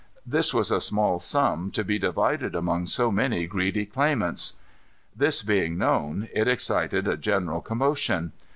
This was a small sum to be divided among so many greedy claimants. This being known, it excited a general commotion.